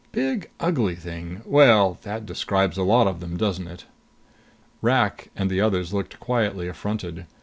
"Big, ugly thing well, that describes a lot of them, doesn't it?" Rak and the others looked quietly affronted.